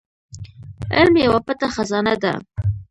علم يوه پټه خزانه ده.